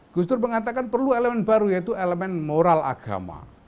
gus dur mengatakan perlu elemen baru yaitu elemen moral agama